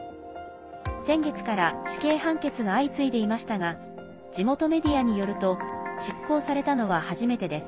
先月から死刑判決が相次いでいましたが地元メディアによると執行されたのは初めてです。